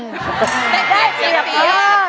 ได้เปี๊ยบเสียเปี๊ยบ